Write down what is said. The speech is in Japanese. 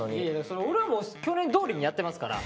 それ俺も去年どおりにやってますから。